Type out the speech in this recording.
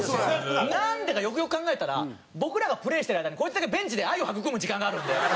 なんでかよくよく考えたら僕らがプレーしてる間にこいつだけベンチで愛を育む時間があるんで。